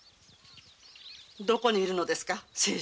どこにいるのです？